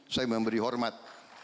saya memberi hormat